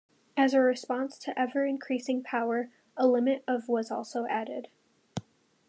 As a response to ever increasing power, a limit of was also added.